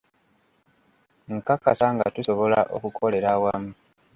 Nkakasa nga tusobola okukolera awamu.